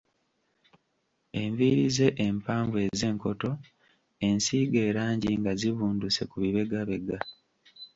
Enviiri ze empanvu ez'enkoto ensiige erangi nga zibunduse ku bibegabega.